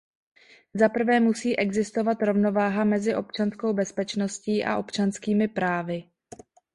Zaprvé musí existovat rovnováha mezi občanskou bezpečností a občanskými právy.